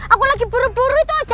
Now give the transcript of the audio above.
aku lagi buru buru itu aja